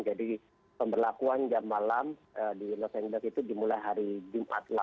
jadi pemberlakuan jam malam di los angeles itu dimulai hari jumat